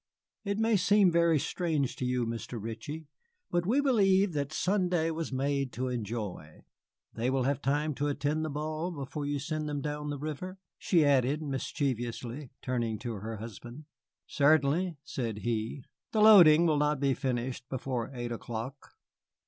"It may seem very strange to you, Mr. Ritchie, but we believe that Sunday was made to enjoy. They will have time to attend the ball before you send them down the river?" she added mischievously, turning to her husband. "Certainly," said he, "the loading will not be finished before eight o'clock."